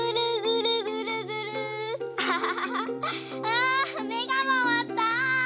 あめがまわった。